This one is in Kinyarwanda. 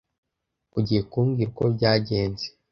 Ugiye kumbwira uko byagenze?